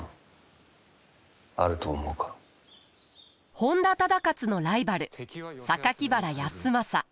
本多忠勝のライバル原康政。